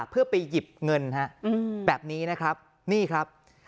เพื่อไปหยิบเงินฮะแบบนี้นะครับนี่ครับ